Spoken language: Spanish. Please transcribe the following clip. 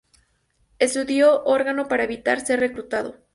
Estudió órgano para evitar ser reclutado.